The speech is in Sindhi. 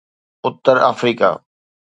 اتر آفريڪا